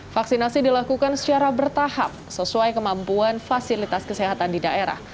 vaksinasi dilakukan secara bertahap sesuai kemampuan fasilitas kesehatan di daerah